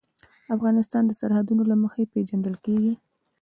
افغانستان د سرحدونه له مخې پېژندل کېږي.